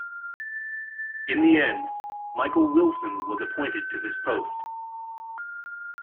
In the end, Michael Wilson was appointed to this post.